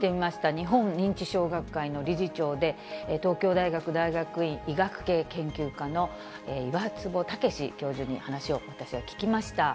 日本認知症学会の理事長で、東京大学大学院医学系研究科の岩坪威教授に、話を私が聞きました。